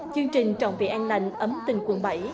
chương trình trọng vị ăn lạnh ấm tình quân bẫy